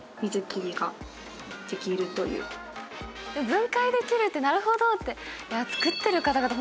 分解できるってなるほどって。